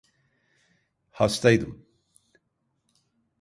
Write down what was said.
Hastaydım…